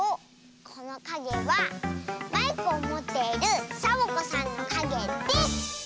このかげはマイクをもっているサボ子さんのかげです！